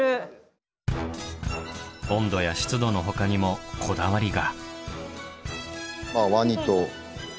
温度や湿度のほかにもこだわりが。